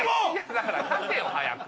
だから書けよ早く。